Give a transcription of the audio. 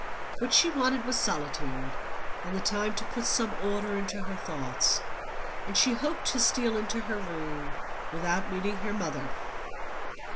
What she wanted was solitude, and the time to put some order into her thoughts; and she hoped to steal into her room without meeting her mother.